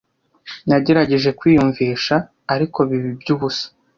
Nagerageje kwiyumvisha, ariko biba iby'ubusa.